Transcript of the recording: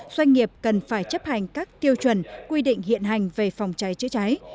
doanh nghiệp cần phải chấp hành các tiêu chuẩn quy định hiện hành về phòng cháy chữa cháy